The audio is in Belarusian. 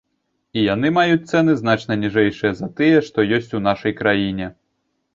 І яны маюць цэны значна ніжэйшыя за тыя, што ёсць у нашай краіне.